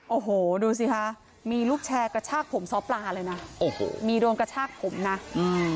โอ้โหดูสิคะมีลูกแชร์กระชากผมซ้อปลาเลยนะโอ้โหมีโดนกระชากผมนะอืม